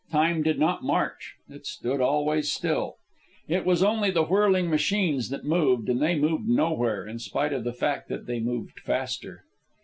Time did not march. It stood always still. It was only the whirling machines that moved, and they moved nowhere in spite of the fact that they moved faster.